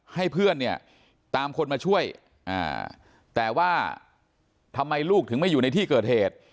ให้เพื่อนเนี่ยตามคนมาช่วยแต่ว่าทำไมลูกถึงไม่อยู่ในที่เกิดเหตุ